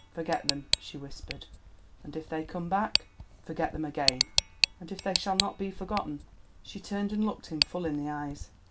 "Forget them," she whispered. "And if they come back?" "Forget them again." "And if they will not be forgotten?" She turned and looked him full in the eyes.